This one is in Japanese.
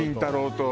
と。